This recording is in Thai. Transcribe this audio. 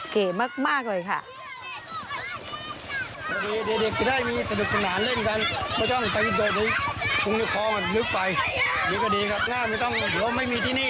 เก๋มากเลยค่ะ